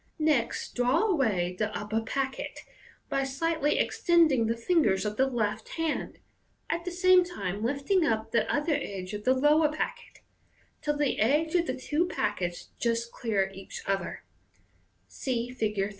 Next draw away the upper packet, by slightly extending the fingers of the left hand, at the same time lifting up the outer edge of the lower packet, till the edges of the two packets just clear each other (see Fig.